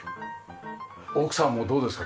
奥さんもどうですか？